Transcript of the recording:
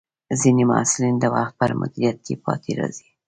ځینې محصلین د وخت پر مدیریت کې پاتې راځي.